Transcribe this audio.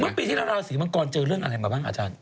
เมื่อปีที่เราเล่าสีมังกรเจอเรื่องอะไรมาบ้างอาจารย์